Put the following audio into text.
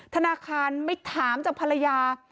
ธนาคารไม่ถามจากภรรยา